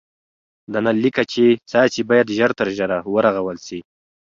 د نل لیکه چي څاڅي باید ژر تر ژره ورغول سي.